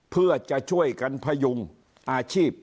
เพื่อจะช่วยกันพยุงอาชีพ